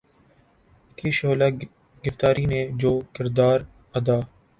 کی شعلہ گفتاری نے جو کردار ادا